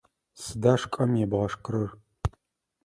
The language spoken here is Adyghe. Сыда шкӏэм ебгъэшхырэр?